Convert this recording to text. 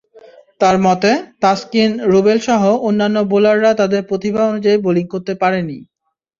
তাঁর মতে, তাসকিন, রুবেলসহ অন্যান্য বোলাররা তাদের প্রতিভা অনুযায়ী বোলিং করতে পারেনি।